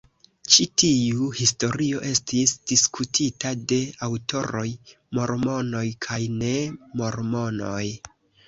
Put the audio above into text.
Ĉi tiu historio estis diskutita de aŭtoroj mormonoj kaj ne mormonoj.